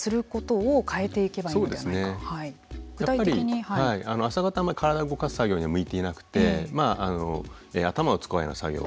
やっぱり朝方は体を動かす作業には向いていなくて頭を使うような作業。